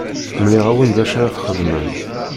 Mliɣ-awen d acu ara txedmem.